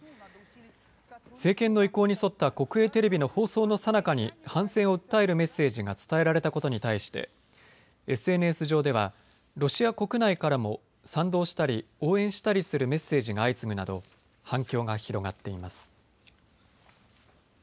政権の意向に沿った国営テレビの放送のさなかに反省を訴えるメッセージが伝えられたことに対してＳＮＳ上ではロシア国内からも賛同したり、応援したりするメッセージが相次ぐなど反響が広がっています。